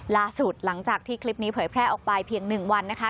หลังจากที่คลิปนี้เผยแพร่ออกไปเพียง๑วันนะคะ